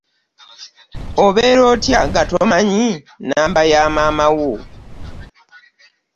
Obeera otya nga tomanyi namba ya maama wo.